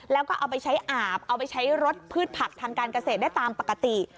แล้วก็เอาไปใช้อาบเอาไปใช้รสพืชผักทางการเกษตรได้ตามปกติ